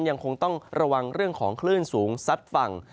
ยังคงต้องระวังเรื่องของคลื่นสูงซัดฝั่ง